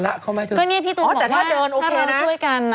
แต่ถ้าเดินโอเคนะ